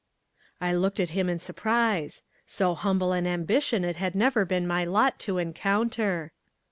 I looked at him in surprise. So humble an ambition it had never been my lot to encounter.